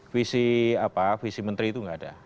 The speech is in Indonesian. visi apa visi menteri itu nggak ada